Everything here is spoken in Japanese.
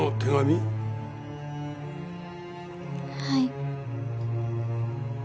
はい。